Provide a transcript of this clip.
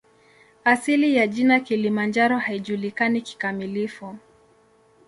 Asili ya jina "Kilimanjaro" haijulikani kikamilifu.